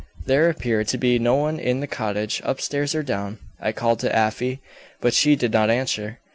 "There appeared to be no one in the cottage, upstairs or down. I called to Afy, but she did not answer.